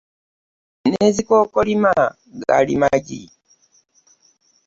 N'ezikookolima g'ali maggi